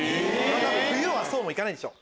冬はそうもいかないでしょ